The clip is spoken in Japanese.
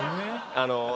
あの。